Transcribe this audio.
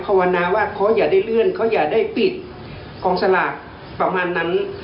ภาวนาว่าเขาอย่าได้เลื่อนเขาอย่าได้ปิดกองสลากประมาณนั้น